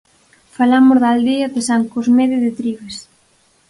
Falamos da aldea de San Cosmede de Trives.